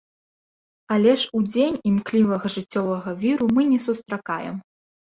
Але ж удзень імклівага жыццёвага віру мы не сустракаем.